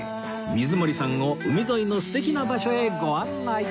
水森さんを海沿いの素敵な場所へご案内